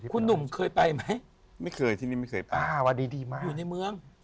คุณหนุ่มเคยไปไหมไม่เคยที่นี่ไม่เคยไปอ่าว่าดีมากอยู่ในเมือง